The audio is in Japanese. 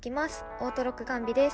オートロック完備です」